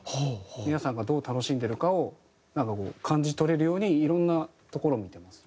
皆さんがどう楽しんでるかを感じ取れるようにいろんな所を見てます。